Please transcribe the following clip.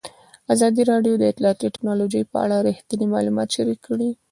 ازادي راډیو د اطلاعاتی تکنالوژي په اړه رښتیني معلومات شریک کړي.